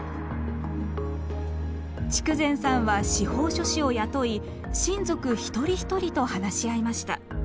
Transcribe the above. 筑前さんは司法書士を雇い親族一人一人と話し合いました。